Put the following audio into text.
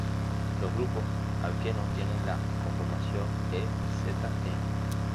Los grupos alqueno tienen la conformación "E", "Z", "E".